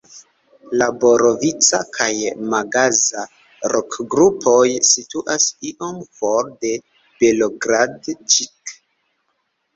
La Borovica- kaj Magaza-rokgrupoj situas iom for de Belogradĉik.